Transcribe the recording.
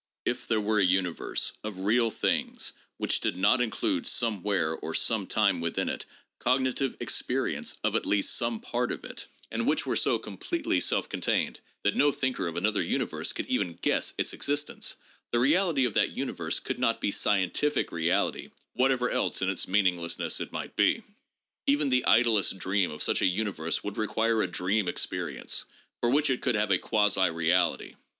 If there were a universe of real things which did not include somewhere or sometime within it cognitive experience of at least some part of it, and which were so completely self contained that no thinker of another universe could even guess its existence, the reality of that universe could not be scientific reality, whatever else in its meaninglessness it might be. Even the idlest dream of such a universe would require a dream ex 274 THE PHILOSOPHICAL REVIEW. [Vol. XVI. perience for which it could have a quasi reality.